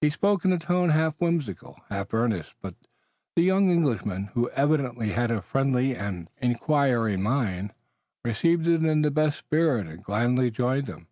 He spoke in a tone half whimsical, half earnest, but the young Englishman, who evidently had a friendly and inquiring mind, received it in the best spirit and gladly joined them.